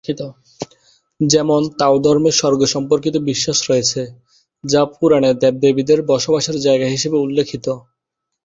যেমন, তাও ধর্মে স্বর্গ সম্পর্কিত বিশ্বাস রয়েছে, যা পুরাণে দেব-দেবীদের বসবাসের জায়গা হিসেবে উল্লেখিত।